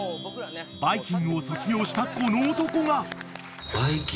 ［『バイキング』を卒業したこの男が］